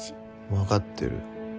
わかってる。